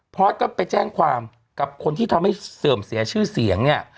พอสก็ไปแจ้งความกับคนที่ทำให้เสื่อมเสียชื่อเสียงเนี่ย